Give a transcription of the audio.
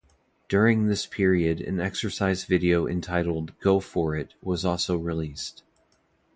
During this period an exercise video entitled "Go For It" was also released.